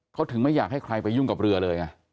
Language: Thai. เขาถึงไม่อยากให้ใครไปยุ่งกับเรือเลยไง